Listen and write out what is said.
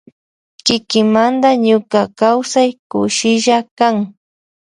Kikimanda ñuka kausai kushillakan.